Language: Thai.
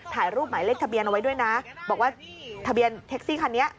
ถ่ายรูปหมายเลขทะเบียนเอาไว้ด้วยนะบอกว่าทะเบียนแท็กซี่คันนี้